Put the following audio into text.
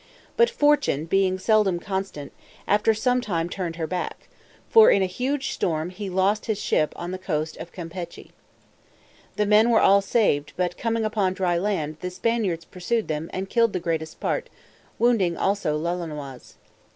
But Fortune, being seldom constant, after some time turned her back; for in a huge storm he lost his ship on the coast of Campechy. The men were all saved, but coming upon dry land, the Spaniards pursued them, and killed the greatest part, wounding also Lolonois.